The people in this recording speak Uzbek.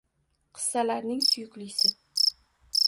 Qissalarning suyuklisi